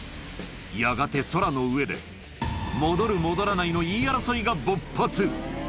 やがて空の上で戻る、戻らないの言い争いが勃発。